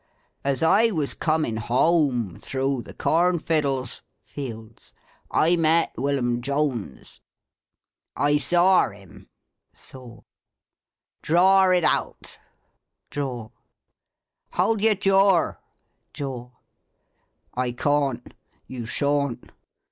" As I was a comin' whoam through the corn fiddles (fields) I met Willum Jones." " I sor (saw) him." " Dror (draw) it out." " Hold your jor (jaw)." "I caun't. You shaun't.